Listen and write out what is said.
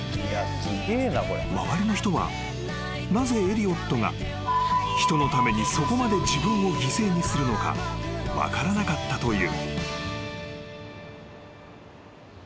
［周りの人はなぜエリオットが人のためにそこまで自分を犠牲にするのか分からなかったという］